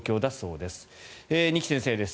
二木先生です。